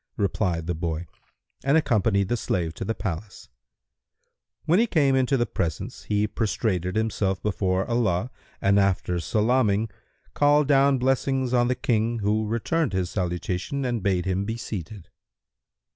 replied the boy and accompanied the slave to the palace. When he came into the presence, he prostrated himself before Allah and after salaming, called down blessings on the King who returned his salutation and bade him be seated.